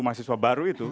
mahasiswa baru itu